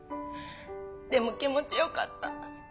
でも気持ちよかった。